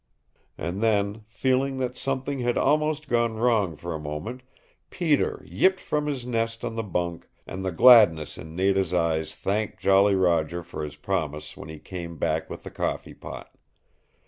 And then, feeling that something had almost gone wrong for a moment, Peter yipped from his nest in the bunk, and the gladness in Nada's eyes thanked Jolly Roger for his promise when he came back with the coffee pot.